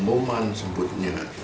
acara bomboman sebutnya